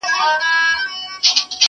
نه اثر وکړ دوا نه تعویذونو!